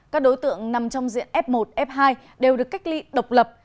các đối tượng nằm trong diện f một f hai đều được cách ly độc lập